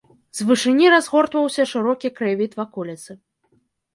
З вышыні разгортваўся шырокі краявід ваколіцы.